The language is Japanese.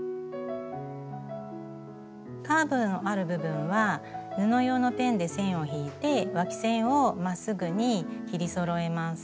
カーブのある部分は布用のペンで線を引いてわき線をまっすぐに切りそろえます。